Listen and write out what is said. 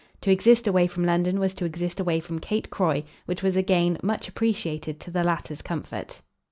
To exist away from London was to exist away from Kate Croy which was a gain, much appreciated, to the latter's comfort.